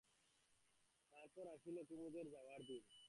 তারপর আসিল কুমুদের যাওয়ার দিন।